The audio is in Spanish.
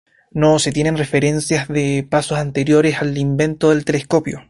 No se tienen referencias de pasos anteriores al invento del telescopio.